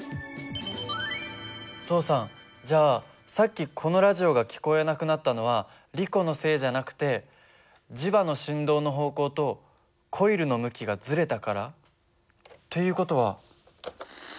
お父さんじゃあさっきこのラジオが聞こえなくなったのはリコのせいじゃなくて磁場の振動の方向とコイルの向きがずれたから？という事は。